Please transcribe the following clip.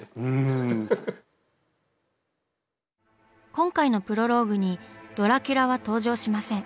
今回のプロローグにドラキュラは登場しません。